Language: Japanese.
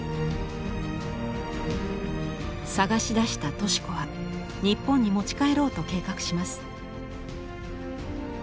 捜し出した敏子は日本に持ち帰ろうと計画します。